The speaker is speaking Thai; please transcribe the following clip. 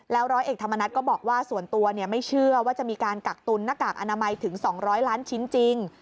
ร้อยเอกธรรมนัฐก็บอกว่าส่วนตัวไม่เชื่อว่าจะมีการกักตุนหน้ากากอนามัยถึง๒๐๐ล้านชิ้นจริง